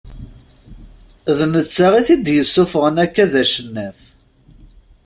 D netta i t-id-yessufɣen akka d acennaf.